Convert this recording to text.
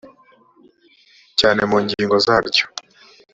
cyane mu ngingo zaryo